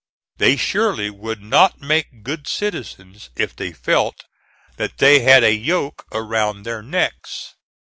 They surely would not make good citizens if they felt that they had a yoke around their necks.